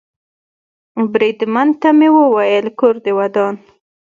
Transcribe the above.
بریدمن ته مې وویل: کور دې ودان.